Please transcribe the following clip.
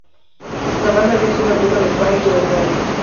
La banda había sido amigo de Fair durante años.